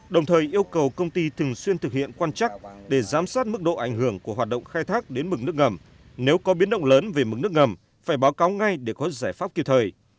đồng thời yêu cầu công ty thường xuyên thực hiện quan chắc để giám sát mức độ ảnh hưởng của hoạt động khai thác đến mực nước ngầm nếu có biến động lớn về mức nước ngầm phải báo cáo ngay để có giải pháp kịp thời